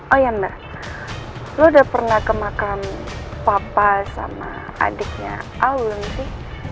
oh iya mbak lo udah pernah ke makam papa sama adiknya al belum sih